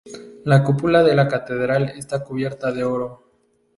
La cúpula de la catedral está cubierta de oro.